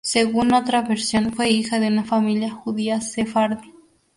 Según otra versión fue hija de una familia judía sefardí.